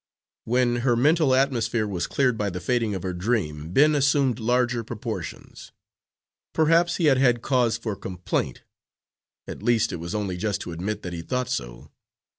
When her mental atmosphere was cleared by the fading of her dream, Ben assumed larger proportions. Perhaps he had had cause for complaint; at least it was only just to admit that he thought so.